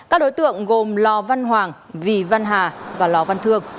các đối tượng gồm lò văn hoàng vì văn hà và lò văn thương